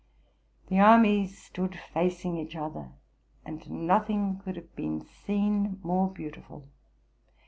The armies stood facing each other, and nothing could have been seen more beautiful.